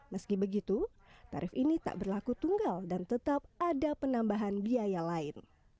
meski begitu tarif ini tak berlaku tunggal dan tetap ada penambahan biaya lain